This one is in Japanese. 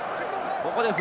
ここで笛。